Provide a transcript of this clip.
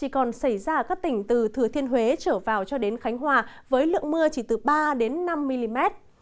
các tỉnh từ thừa thiên huế trở vào cho đến khánh hòa với lượng mưa chỉ từ ba năm mm